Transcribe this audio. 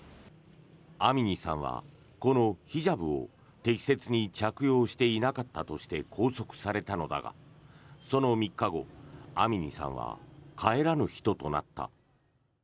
アミニさんはこのヒジャブを適切に着用していなかったとして拘束されたのだがその３日後、アミニさんは帰らぬ人となった。